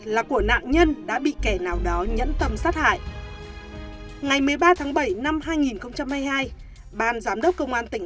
nạn nhân đã bị kẻ nào đó nhẫn tầm sát hại ngày một mươi ba tháng bảy năm hai nghìn hai mươi hai ban giám đốc công an tỉnh